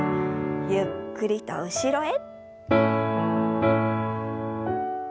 ゆっくりと後ろへ。